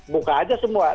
buka aja semua